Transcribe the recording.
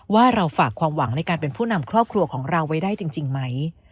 ว่าเราฝากความหวังในการเป็นผู้นำครอบครัวของเราไว้ได้จริงไหม